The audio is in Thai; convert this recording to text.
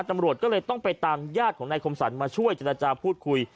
ตำรวจก็เลยต้องไปตามญาติของนายคมสรรมาช่วยเจรจาพูดคุย